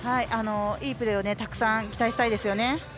いいプレーをたくさん期待したいですよね。